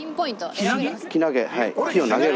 気を投げる？